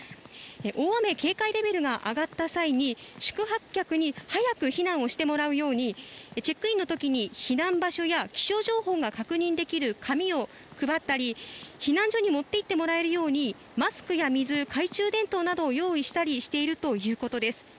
大雨警戒レベルが上がった際に、宿泊客に早く避難をしてもらうようにチェックインの時に避難場所や気象情報が確認できる紙を配ったり避難所に持っていってもらえるようにマスクや水、懐中電灯などを用意したりしているということです。